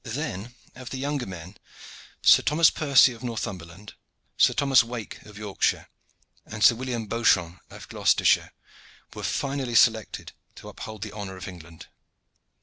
Then, of the younger men, Sir Thomas Percy of Northumberland, Sir Thomas Wake of Yorkshire, and Sir William Beauchamp of Gloucestershire, were finally selected to uphold the honor of England.